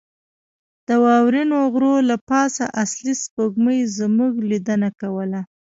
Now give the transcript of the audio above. د واورینو غرو له پاسه اصلي سپوږمۍ زموږ لیدنه کوله.